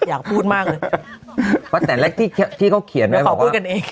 อยากพูดมากเลยแล้วที่ที่เขาเขียนว่าควรพูดกันเอง